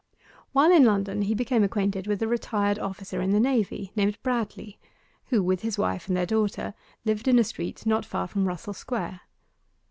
While in London he became acquainted with a retired officer in the Navy named Bradleigh, who, with his wife and their daughter, lived in a street not far from Russell Square.